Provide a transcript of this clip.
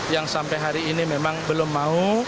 yang sampai hari ini memang belum mau